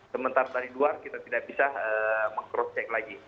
sementara dari luar kita tidak bisa mengkrucek lagi